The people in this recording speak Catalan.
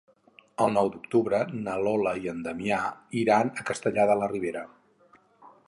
El nou d'octubre na Lola i en Damià iran a Castellar de la Ribera.